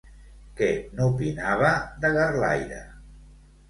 Què n'opinava de Garlaire?